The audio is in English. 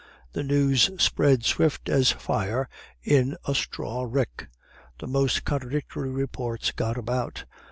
"The news spread swift as fire in a straw rick. The most contradictory reports got about.